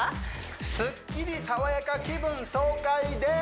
スッキリ爽やか気分爽快です！